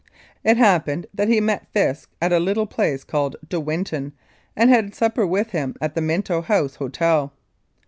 It happened that he met Fisk at a little place called De Winton, and had supper with him at the "Minto House" hotel.